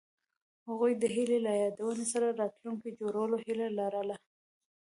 هغوی د هیلې له یادونو سره راتلونکی جوړولو هیله لرله.